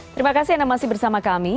terima kasih anda masih bersama kami